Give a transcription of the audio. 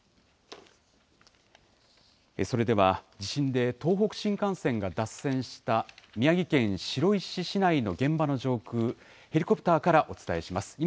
それでは地震で東北新幹線が脱線した、宮城県白石市内の現場の上空、ヘリコプターからお伝えします。